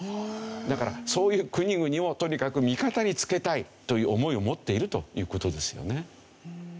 だからそういう国々をとにかく味方につけたいという思いを持っているという事ですよね。